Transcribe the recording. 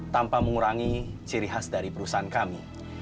tanpa mengurangi ciri khas dari perusahaan kami